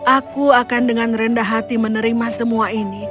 aku akan dengan rendah hati menerima semua ini